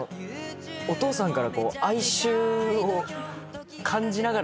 お父さんから。